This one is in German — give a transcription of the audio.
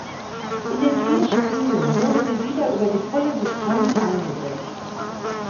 In den vier Spielen wurde sie wieder über die volle Distanz eingesetzt.